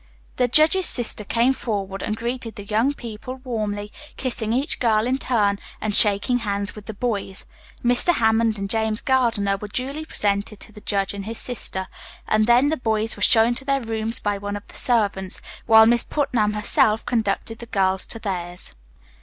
The judge's sister came forward and greeted the young people warmly, kissing each girl in turn and shaking hands with the boys. Mr. Hammond and James Gardiner were duly presented to the judge and his sister, and then the boys were shown to their rooms by one of the servants, while Miss Putnam herself conducted the girls to theirs.